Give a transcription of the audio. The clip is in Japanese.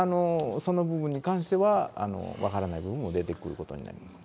その部分に関しては分からない部分も出てくることになります。